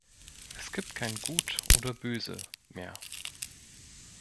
Es gibt kein Gut oder Böse mehr.